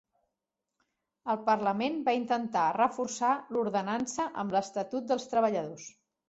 El parlament va intentar reforçar l'Ordenança amb l'Estatut dels Treballadors.